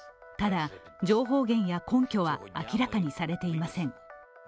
ただ情報源や根拠は明らかにされていません。